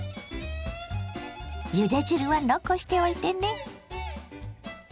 ゆで汁は残しておいてね。